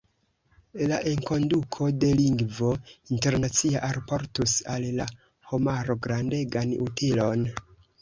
La enkonduko de lingvo internacia alportus al la homaro grandegan utilon.